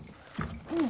うん。